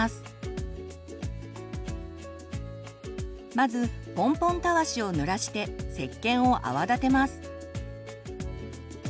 まずポンポンたわしをぬらしてせっけんを泡立てます。